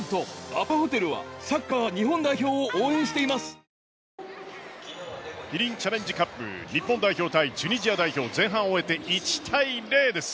ＢＥＴＨＥＣＨＡＮＧＥ三井不動産キリンチャレンジカップ日本代表対チュニジア代表前半を終えて１対０です。